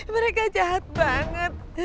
mereka jahat banget